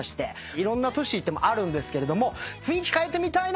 いろんな都市行ってもあるんですけれども。